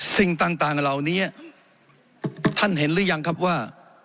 สิ่งต่างเหล่านี้ท่านเห็นหรือยังครับว่า